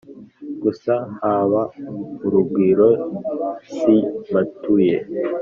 gusa haba urugwiro simatuye